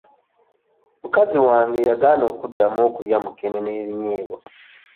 Mukazi wange yagaana okuddamu okulya mukene n'ebinyeebwa.